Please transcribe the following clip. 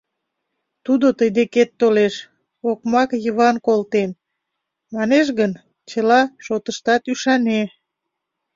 Тудо тый декет толеш, «окмак Йыван колтен» манеш гын, чыла шотыштат ӱшане.